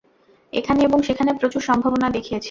এখানে এবং সেখানে প্রচুর সম্ভাবনা দেখিয়েছে।